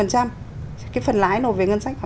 cái phần lái nổi về ngân sách họ